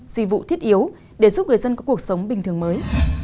dịch vụ thiết yếu để giúp người dân có cuộc sống bình thường mới